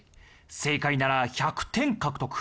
正解なら１００点獲得。